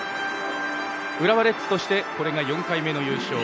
浦和レッズとしてこれが４回目の優勝。